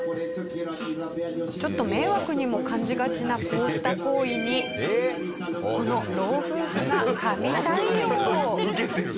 ちょっと迷惑にも感じがちなこうした行為にこのウケてる。